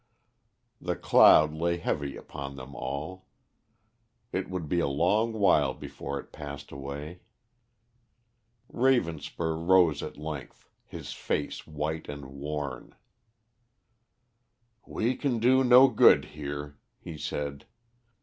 The cloud lay heavy upon them all; it would be a long while before it passed away. Ravenspur rose at length, his face white and worn. "We can do no good here," he said.